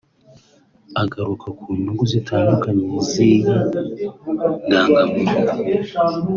Agaruka ku nyungu zitandukanye z’iyi ndangamuntu